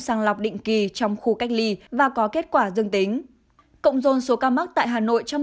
sàng lọc định kỳ trong khu cách ly và có kết quả dương tính cộng dồn số ca mắc tại hà nội trong